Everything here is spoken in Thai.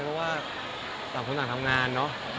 ก็คืนภาษาสองคนทำงานเนอะ